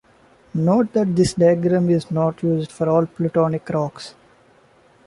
Note that this diagram is not used for all plutonic rocks.